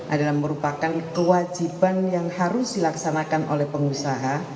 adalah merupakan kewajiban yang harus dilaksanakan oleh pengusaha